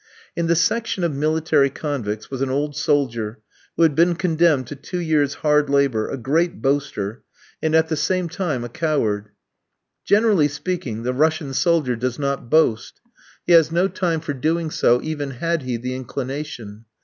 In the section of military convicts was an old soldier who had been condemned to two years' hard labour, a great boaster, and at the same time a coward. Generally speaking, the Russian soldier does not boast. He has no time for doing so, even had he the inclination.